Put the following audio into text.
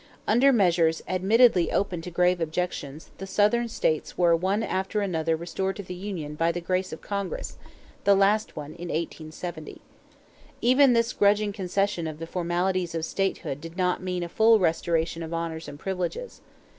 Under measures admittedly open to grave objections, the Southern states were one after another restored to the union by the grace of Congress, the last one in 1870. Even this grudging concession of the formalities of statehood did not mean a full restoration of honors and privileges.